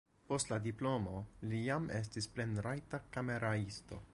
Post la diplomo li jam estis plenrajta kameraisto.